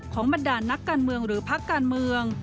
บรรดานักการเมืองหรือพักการเมือง